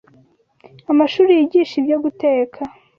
amashuri yigisha ibyo guteka